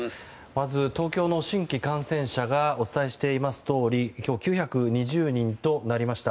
まず、東京の新規感染者がお伝えしていますとおり今日、９２０人となりました。